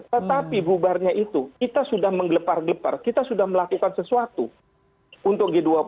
tetapi bubarnya itu kita sudah menggelepar gelepar kita sudah melakukan sesuatu untuk g dua puluh